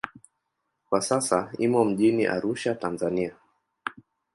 Kwa sasa imo mjini Arusha, Tanzania.